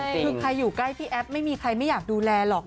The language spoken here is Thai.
คือใครอยู่ใกล้พี่แอฟไม่มีใครไม่อยากดูแลหรอก